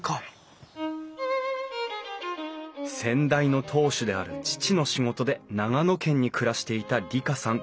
先代の当主である父の仕事で長野県に暮らしていた里香さん